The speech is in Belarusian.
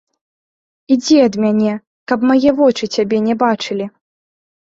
Ідзі ад мяне, каб мае вочы цябе не бачылі.